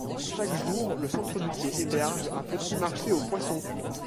Chaque jour le centre du quai héberge un petit marché aux poissons.